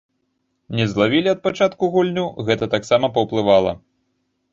Не злавілі ад пачатку гульню, гэта таксама паўплывала.